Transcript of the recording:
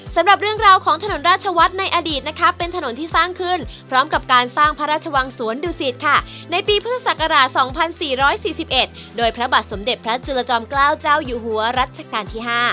สำหรับเรื่องราวของถนนราชวัฒน์ในอดีตนะคะเป็นถนนที่สร้างขึ้นพร้อมกับการสร้างพระราชวังสวนดุสิตค่ะในปีพุทธศักราช๒๔๔๑โดยพระบาทสมเด็จพระจุลจอมเกล้าเจ้าอยู่หัวรัชกาลที่๕